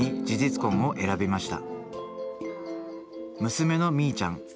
娘のみいちゃん。